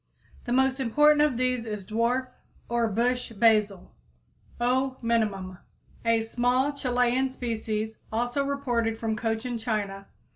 The most important of these is dwarf or bush basil (O. minimum, Linn.), a small Chilian species also reported from Cochin China.